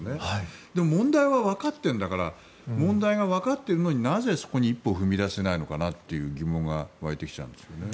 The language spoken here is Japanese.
でも、問題はわかってるんだから問題がわかっているのになぜ、そこに一歩踏み出せないのかなという疑問が湧いてきたんですよね。